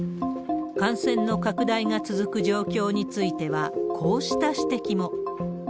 感染の拡大が続く状況については、こうした指摘も。